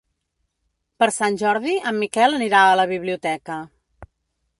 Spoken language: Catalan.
Per Sant Jordi en Miquel anirà a la biblioteca.